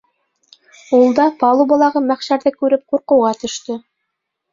Ул да, палубалағы мәхшәрҙе күреп, ҡурҡыуға төштө.